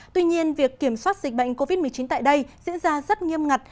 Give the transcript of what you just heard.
tuy nhiên việc kiểm soát dịch bệnh covid một mươi chín tại đây diễn ra rất nghiêm ngặt